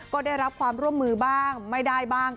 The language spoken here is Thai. ก็ได้รับความร่วมมือบ้างไม่ได้บ้าง